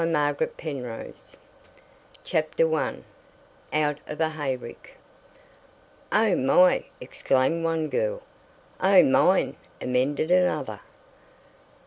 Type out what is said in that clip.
THE ROUND UP CONCLUSION CHAPTER I OUT OF A HAYRICK "Oh, my!" exclaimed one girl. "Oh, mine!" amended another.